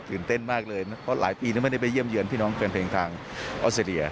เต้นมากเลยเพราะหลายปีไม่ได้ไปเยี่ยมเยือนพี่น้องแฟนเพลงทางออสเตรเลีย